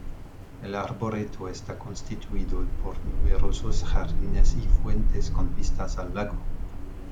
El arboreto está constituido por numerosos jardines y fuentes con vistas al lago.